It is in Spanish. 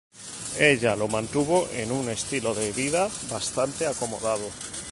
Ella lo mantuvo en un estilo de vida bastante acomodado.